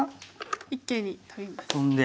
一間にトビます。